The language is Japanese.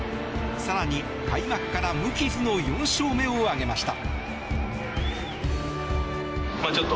更に、開幕から無傷の４勝目を挙げました。